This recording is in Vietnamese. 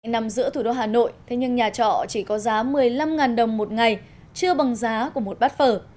nằm giữa thủ đô hà nội thế nhưng nhà trọ chỉ có giá một mươi năm đồng một ngày chưa bằng giá của một bát phở